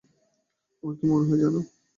আমার কী মনে হয় জান?